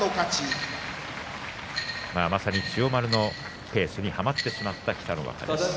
まさに千代丸のペースにはまってしまった北の若です。